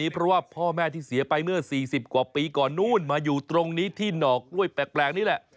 เพราะว่าพ่อแม่ที่เสียไปเมื่อ๔๐กว่าปีก่อนนู้นมาอยู่ตรงนี้ที่หนอกกล้วยแปลกนี่แหละ